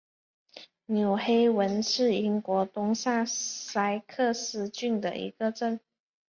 纽黑文是英国东萨塞克斯郡的一个镇。